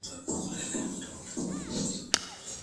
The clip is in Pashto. په حديث کي د زده کړي په اړه څه راغلي دي؟